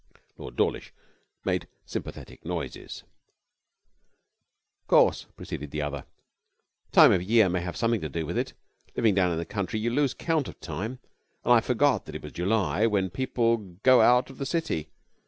Lord Dawlish made sympathetic noises. 'Of course,' proceeded the other, 'the time of year may have something to do with it. Living down in the country you lose count of time, and I forgot that it was July, when people go out of the city.